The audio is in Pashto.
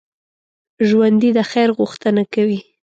ژوندي د خیر غوښتنه کوي